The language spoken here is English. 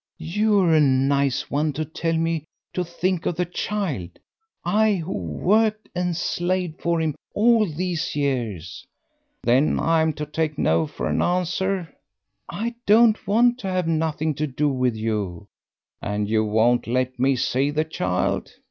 "You're a nice one to tell me to think of the child, I who worked and slaved for him all these years." "Then I'm to take no for an answer?" "I don't want to have nothing to do with you." "And you won't let me see the child?"